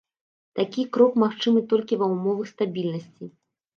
Такі крок магчымы толькі ва ўмовах стабільнасці.